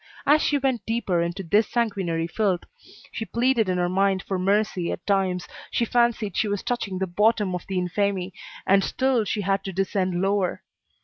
As she went deeper into this sanguinary filth, she pleaded in her mind for mercy, at times, she fancied she was touching the bottom of the infamy, and still she had to descend lower.